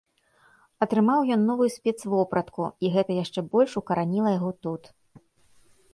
Атрымаў ён новую спецвопратку, і гэта яшчэ больш укараніла яго тут.